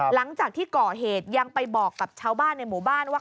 หลังจากที่ก่อเหตุยังไปบอกกับชาวบ้านในหมู่บ้านว่า